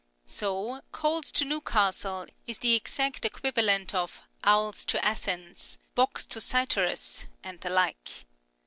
So, " Coals to Newcastle " is the exact equivalent of " Owls to Athens," " Box to Cytprus," and the like.